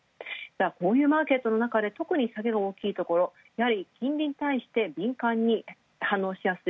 こういうマーケットのなかでとくに下げが大きいところ、金利に対して敏感に反応しやすい。